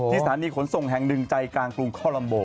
สถานีขนส่งแห่งหนึ่งใจกลางกรุงคอลัมโบ